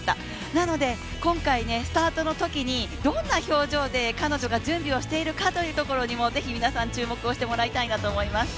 なので、今回、スタートのときにどんな表情で彼女が準備をしているかというところにも是非皆さん、注目してもらいたいと思います。